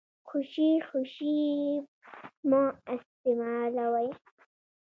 خوشې خوشې يې مه استيمالوئ.